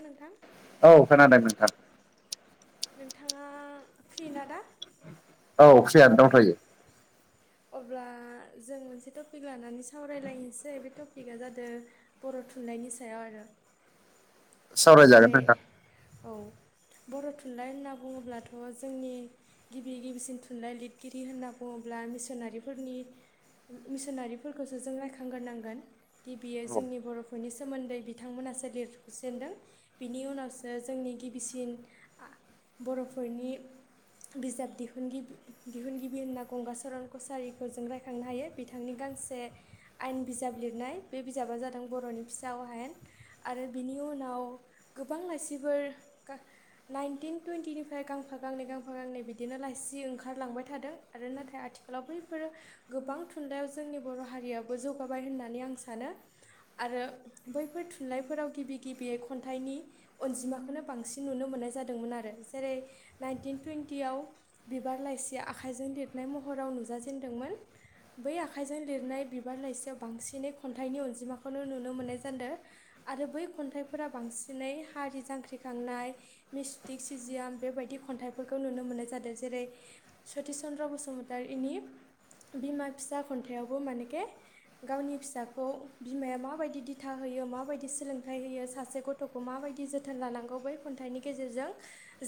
नोंथां औ खोनादों नोंथां नोंथाङा फ्रि ना दा औ फ्रियानो दंथ'यो अब्ला जों मोनसे टपिक लानानै सावरायलायनोसै बे टपिकआ जादों बर' थुनलाइनायनि सायाव आरो [inaudible] सावरायजागोन जेरै नोंथां औ बर' थुनलाइ होनना बुङोब्लाथ' जोंनि गिबि गिबिसिन थुनलाइ लिरगिरि होनना बुङोब्ला मिसनारिफोरनि मिसनारिफोरखौसो जों रायखांग्रोनांगोन गिबियो जोंनि बर'फोरनि सोमोन्दै बिथांमोना सालि जेनदों बिनि उनावसो जोंनि गिबिसिन बर'फोरनि बिजाब दिहुनगिरि दिहुनगिबि होनना गंगचरन कसारिखौ जों रायखांनो हायो बिथांनि गांसे आयेन बिजाब बिजाब लिरनाय बे बिजाबा जादों बर'नि फिसा अहायेन आरो बिनि उनाव गोबां लाइ सिबोर नानटिन टुनथिनिफ्राय गांफा गांनै बिदिनो लायसि ओं ओंखारलांबाय थादों आरो नाथाय आथिखालाव बैफोरो गोबां थुनलाइयाव जोंनि बर' हारियाबो जौगाबाय होननानै आं सानो आरो बैफोर थुनलाइफोराव गिबि गिबि खन्थाइनि अनजिमाखौनो बांसिन नुनो मोननाय जादोंमोन आरो जेरै नाइनटिन टुन्टियाव बिबार लाइसिया आखाइजों लिरनाय महराव नुजा जेेनदोंमोन बै आखाइजों लिरनाय बिबार लाइसियाव बांसिनै खन्थाइनि अनजिमाखौनो नुनो मोननाय जादों। आरो बै खन्थाइफोरा बांसिनै हारि जांख्रिखांनाय मिस्टिक सिजियाम बेबायदि खन्थाइफोरखौ नुनो मोन्नाय जादों जेरै सति चन्द्र बसुमतारीनि बिमा फिसा खन्थाइावबो मानेके गावनि फिसाखौ बिमाया माबायदि दिथा होयो माबायदि सोलोंथाइ होयो सासे गथ'खौ मा बायदि जोथोन लानांगौ बै खन्थाइनि गेजेरजों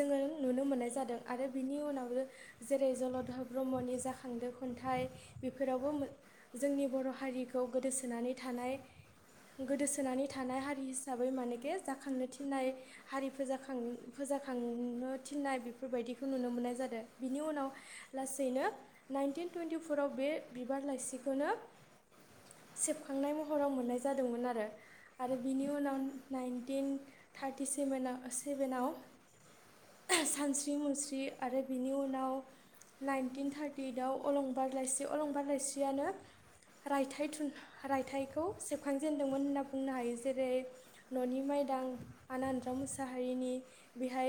जोङो नुनो मोननाय जादों आरो बिनि उनाव जेरै जलध' ब्रह्मनि जाखांदो खन्थाइ बेफोरावबो जोंनि बर' हारि हारिखौ गोदोसोनानै थानाय गोदोसोनानै थानाय हारि हिसाबै मानेकि जाखांनो थिननाय हारि फोजाखां फो जाखांनो थिननाय बेफोरबायदिखौ नुनो मोननाय जादों। बिनि उनाव लासैनो नाइनटिन टुइन्टिफराव बे बिबार लाइसिखौनो सेबखांनाय महराव मोननाय जादोंमोन आरो आरो बिनि उनाव नाइनटिन थार्टि सेभेनाव सेभेनाव सानस्रि मुस्रि आरो बिनि उनाव उनाव नाइनटिन थार्टि इदआव अलंबार लाइसि अलंबार लाइसियानो रायथाइ थुन रायथाइखौ सेबखांजेनदोंमोन होनना बुंनो हायो जेरै न'नि माइ दां आनन्द मुसाहारिनि बेहाय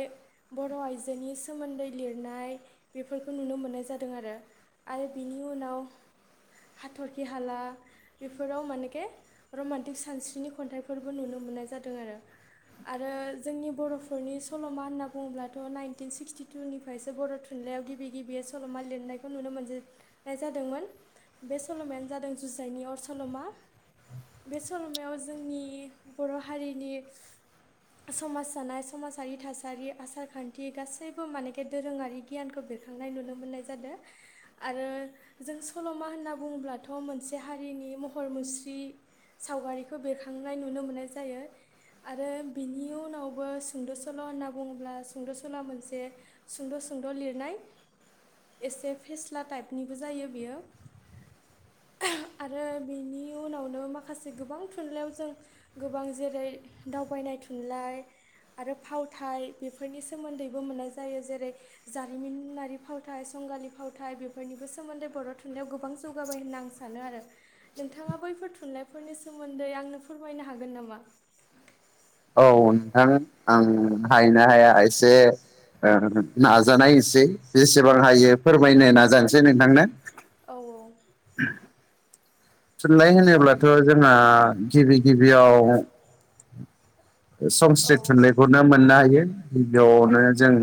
बर' आइजोनि सोमोन्दै लिरनाय बेफोरखौ नुनो मोननाय जादों आरो आरो बिनि उनाव हाथरखि हाला बेफोराव मानेके रमान्टिक सानस्रिनि खन्थाइफोरबो नुनो मोननाय जादों आरो आरो जोंनि बर'फोरनि सल'मा होनना बुङोब्लाथ' नाइनटिन सिक्सटिटुनिफ्रायसो बर' थु। नलाइयाव गिबि गिबि सल'मा लिरनायखौ नुनो मोननाय जादोंमोन बे सल'मायानो जादों जु जायनि अर सल'मा बे सल'मायाव जोंनि बर' हारिनि समाज जानाय समाजारि थासारि आसारखान्थि गासैबो मानेखि दोरोङारि गियानखौ बेरखांनाय नुनो मोननाय जादों आरो जों सल'मा होनना बुङोब्लाथ' मोनसे मोनसे हारिनि महर मुस्रि सावगारिखौ बेरखांनाय नुनो मोननाय जायो। आरो बिनि उनावबो सुंद' सल' होनना बुङोब्ला सुंद' सल' मोनसे सुंद' सल' सोंद' लिरनाय एसे फेस्ला टाइपनिबो जायो बेयो [inaudible] आरो बेनि उनावनो माखासे गोबां थुनलाइयाव जों गोबां जेरै दावबायनाय थुनलाइ आरो फावथाय बेफोरनि सोमोन्दैबो मोननाय जायो। जेरै जारिमिनारि फावथाय संगालि फावथाय बेफोरनिबो सोमोन्दै बर' थुनलाइयाव गोबां जौगाबाय होनना आं सानो सानो आरो नोंथाङा बैफोर थुनलाइफोरनि सोमोन्दै आंनो फोरमायनो हागोन नामा? औ नोंथां आं औ हायो ना हाया एसे ओं नाजानायसै जेसेबां हायो फोरमायनो नाजानोसै नोंथांनो औ थुनलाइ होनोब्लाथ' जोंना गिबि गिबियाव औ संस्कृत थुनलाइखौनो मोननो हायो गिबियावनो जों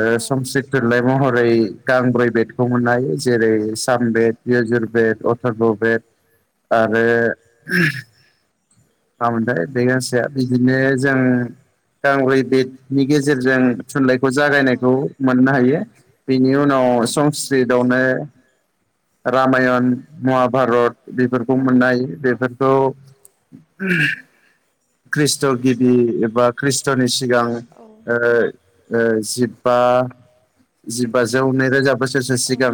ओ औ संखि्रत थुनलाइ महरै गांब्रै बेदखौ मोननो हायो जेरै साम बेेद जुर बेद अथुरब बेद आरो मामोनथाय बे गांसेया बिदिनो जों गांब्रै बेदनि गेजेरजों थुनलाइखौ औ जागायनायखौ मोननो हायो बेनि उनाव अ' संस्कृतआवनो रामायण महाभारत बेफोरखौ मोननाय हायो बेफोरखौ [unintelligible] खृष्ट' गिबि एबा खृष्ट'नि सिगां ओ औ ओ जिबा [inaudible] जिबाजौ नैरोजा बोसोरसो औ सिगां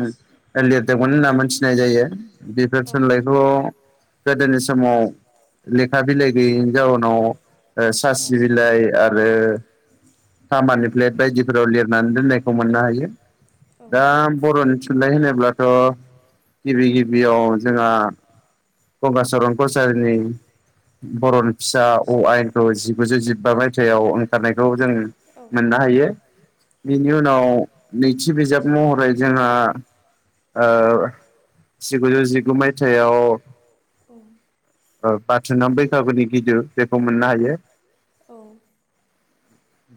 औ लिरदोंमोन होनना मोनथिनाय जायो बेफोर औ थुनलाइखौ गोदोनि समाव लेखा बिलाइ गैयैनि जाउनाव ओ सासि बिलाइ आरो खामानि प्लेट बायदिफोराव लिरनानै दोननायखौ मोननो हायो। दा बर'नि थुनलाइ होनोब्लाथ' गिबि गिबियाव जोंहा गंगा चरन कचारिनि बर'नि फिसा अ' आयेन गुजौ जिबा मायथाइयाव ओंखारनायखौ जों मोननो हायो बिनि उनाव नैथि बिजाब महरै जोंहा ओ जिगुजौ जिगु मायथाइाव ओ बाथिना बैखागुनि गिदिर बेखौ मोननो हायो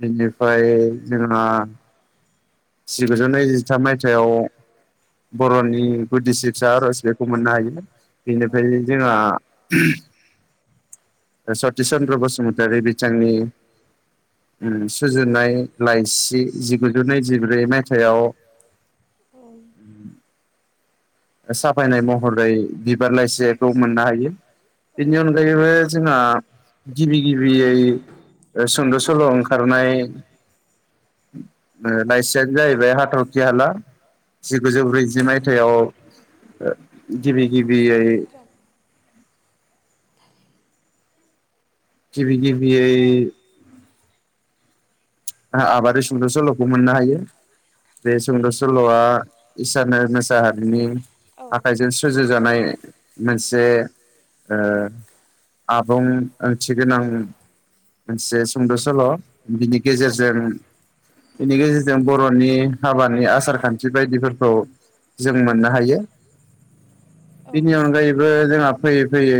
बेनिफ्राय जोंना जिगुजौ नैजिथाम मायथाइयाव बर'नि गुदि सिबसा आर'ज बेखौ मोननो हायो बेनिफ्राय जोंहा सति चन्द्र बसुमतारी बिथांनि सुजुनाय लाइसि जि गुजौ नैजि बेै मायथायाव साफायनाय महरै बिबार लाइसिखौ मोननो हायो औ बेनि अनगायैबो जोंहा गिबि गिबियै सुंद' सल' ओंखारनाय लाइसियानो जाहैबाय हाथरखि-हाला जिगुजौ ब्रैजि मायथाइयाव गिबि गिबियै उम गिबि गिबियै आबादारि सुंद' सल'खौ मोननो हायो बे सुंद' स सल'आ इसोरनो मोसाहारिनि आखाइजों सुजुजानाय मोनसे ओ आबुं ओंथि गोनां मोनसे सुंद' सल' बिनि गेजेरजों बेनि गेजेर जों बर'नि हाबानि आसार खान्थि बायदिफोरखौ जों मोननो हायो बिनि अनगायैबो जोंहा फैयै फैयै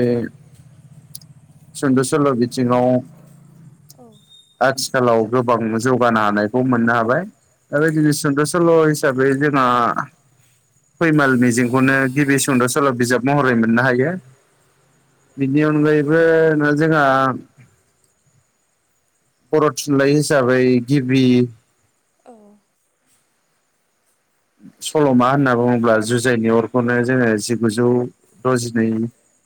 सुंद' सल' बिथिङाव आथिखालाव गोबां जौगानो हानायखौ मोननो हाबाय दा बेदिनो सुंद' सल' हिसाबै जोंहा फैमाल मिजिंखौनो गिबि सुंद' सल' बिजाब महरै मोननो हायो बिदि उनगैबो न जोंहा बर' थुनलाइ हिसाबै गिबि औ सल'मा होनना बुङोब्ला जुजायनि अरखौनो जोङो जिगुजौ द'जिनै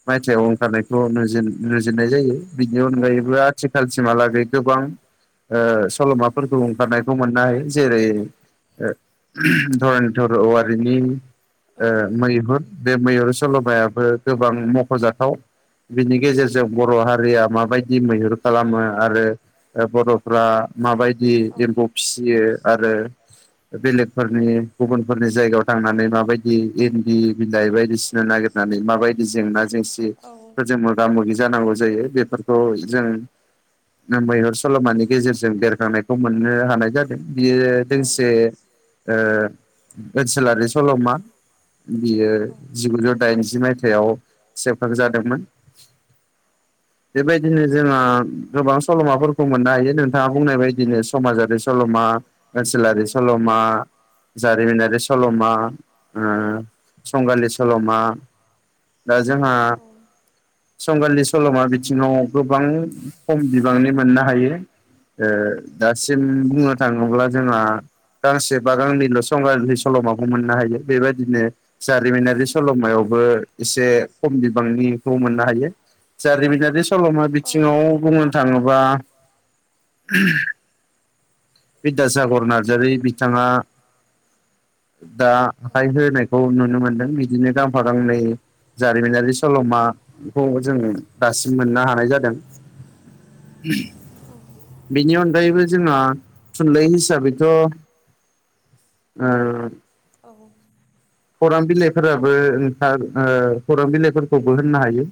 मायथाइआव ओंखारनायखौ नुजिरनाय जायो बिनि अनगायैबो आथिखालसिमहालागै गोबां ओ सल'माफोरखौ ओंखारनायखौ मोननो हायो जेरै धरनधर औवारिनि मैहुर बे मैहुर सल'मायाबो गोबां मख'जाथाव बिनि गेजेरजों बर' हारिया माबायदि मैहुर खालामो आरो बर'फ्रा माबायदि एम्फौ फिसियो आरो बेलेगफोरनि गुबुनफोरनि जायगायाव थांनानै माबायदि इन्दि बिलाइ बायदिसिना नागिरनानै माबायदि जेंना जेंसिफोरजों मोगा मोगि जानांगौ जायो बेफोरखौ जों मैहुर सल'मानि गेजेरजों बेरखांनायखौ मोननो हानाय जादों बियो दोंसे ओनसोलारि सल'मा बियो जिगुजौ दाइनजि मायथाइयाव सेबखां जादोंमोन [unintelligible] बेबायदिनो जोंहा गोबां सल'माफोरखौ मोननो हायो नोंथाङा बुंनाय बायदिनो समासजारि सल'मा ओनसोलारि सल'मा जारिमिनारि सल'मा ओम संगालि सल'मा दा जोंहा संगलिनि सल'मा बिथिङाव गोबां खम बिबांनि मोननो हायो ओ दासिम बुंनो थाङोब्ला जोंहा गांसे बा गांनैल' संग् सल'माखौ मोननो हायो बेबायदिनो जारिमिनारि सल'मायावबो एसे बिबांनिखौ मोननो हायो। जारिमिनारि सल'मा बिथिङाव बुंनो थाङोबा बिद्यासागर नार्जारि बिथाङा दा आखाइ होनायखौ नुनो मोनदों बिदिनो गांफा गांनै जारिमिनारि सल'माखौ जों दासिम मोननो हानाय जादों। बेनि अनगायैबो जोंहा थुनलाइ हिसाबैथ' औ खौरां बिलाइफोराबो नोंथां खौरां बिलाइफोरखौबो होननो हायो।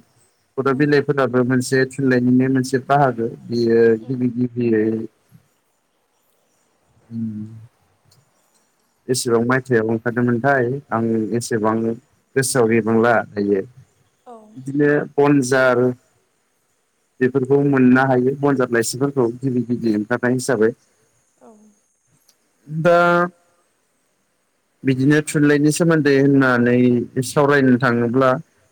खौरां बिलाइफोराबो मोनसे थुनलाइनो मोनसे बाहागो बियो गिबि गिबियै उ एसेबां मायथायाइाव ओंखारदोंमोनथाय आं एसेबां गोसोआव गैबांला दायो। बिदिनो बनजार बेफोरखौ मोननो हायो बनजार लाइसिफोरखौ गिबि गिबि ओंखारनाय हिसाबै दा बिदिनो थुनलाइनि सोमोन्दै होननानै सावरायनो थाङोब्ला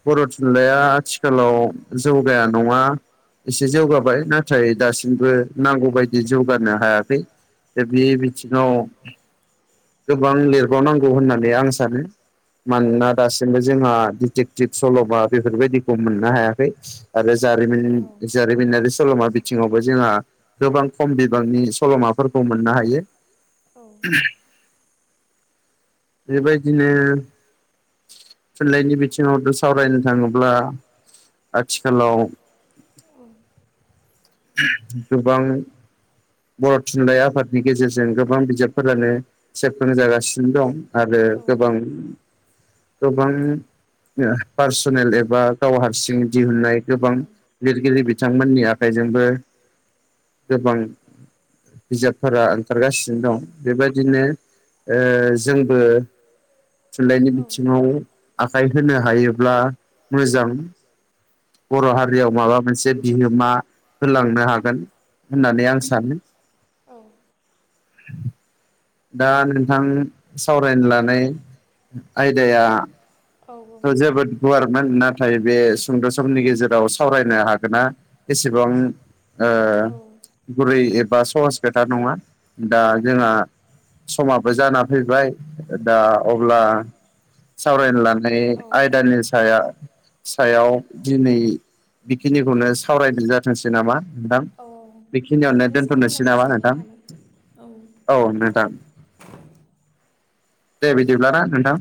बर' थुनलाइया आथिखालाव औ जौगाया औ नङा औ एसे जौगाबाय नाथाय दासिमबो नांगौबायायदि जौगानो हायाखै बे बिथिङाव गोबां लिरबावनांगौ होननानै आं सानो [inaudible] [unintelligible] मानोना दासिमबो जोंहा दिडिटेक्टिभ सल'भा बेफोरबायदिखौ मोननो हायाखै आरो ज जारिमिनारि सल'मा बिथिङावबो जोंहा गोबां खम बिबांनि सल'माफोरखौ मोन मोननो हायो। औ बेबायदिनो थुनलाइनि बिथिङावथ' सावरायनो थाङोब्ला आथिखालाव गोबां बर' थुनलाइ आफादनि गेजेरजों गोबां बिजाबफोरानो सेबखां जागासिनो दं आरो गोबां गोबां पार्सनेल एबा गाव हारसिं दिहुननाय गोबां लिरगिरि बिथांमोननि आखाइ। गोबां बिजाबफोरा ओंखारगासिनो दं बेबायदिनो ओ जोंबो थुनलाइनि बिथिङाव आखाय होनो हायोब्ला मोजां। बर' हारियाव नोंथांजों माबा मोनसे बिहोमा होलांनो हागोन होननानै आं सानो। दा नोंथां सावरायनो लानाय आयदाया थ' जोबोद गुवारमोन नाथाय बे सुंद' समनि गेजेराव सावरायनो हागोनना एसेबां गुरै बा सहस खोथा नङा दा जोंहा समाबो जाना फैबाय। दा अब्ला सावरायनो लानाय आयदानि सायाव सायाव दिनै बेखिनिखौनो सावरायनाय जाथोंसै नामा? नोंथां बेखिनियावनो सावरायना दोनथ'नोसै नामा गोजोननाय नोंथां थाबाय औ नोंथां दे बिदिब्लाना नोंथां।